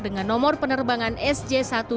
dengan nomor penerbangan sj satu ratus delapan puluh dua